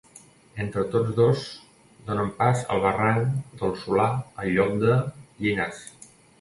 Entre tots dos donen pas al barranc del Solà al lloc de Llinars.